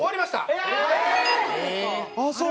ああそう。